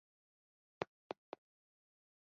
زه د جوزف لپاره خپه وم او زړه کې مې توپان و